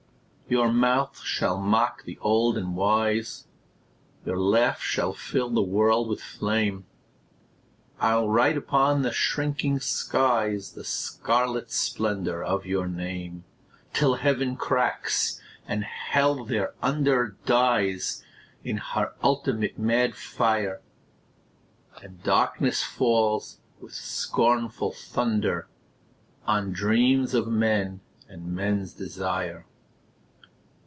Your mouth shall mock the old and wise, Your laugh shall fill the world with flame, I'll write upon the shrinking skies The scarlet splendour of your name, Till Heaven cracks, and Hell thereunder Dies in her ultimate mad fire, And darkness falls, with scornful thunder, On dreams of men and men's desire.